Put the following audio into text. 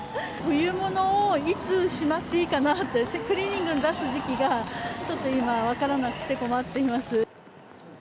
冬物をいつしまっていいかなって、クリーニングに出す時期がちょっと今、分からなくて、困っています。